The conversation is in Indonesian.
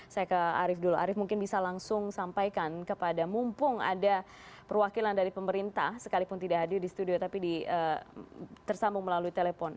saya ke arief dulu arief mungkin bisa langsung sampaikan kepada mumpung ada perwakilan dari pemerintah sekalipun tidak hadir di studio tapi tersambung melalui telepon